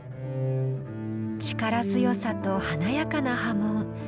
力強さと華やかな刃文。